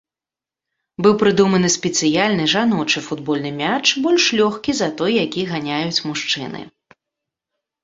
Быў прыдуманы спецыяльны жаночы футбольны мяч, больш лёгкі за той, які ганяюць мужчыны.